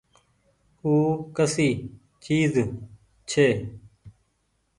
او ڪسي چئيز ڇي۔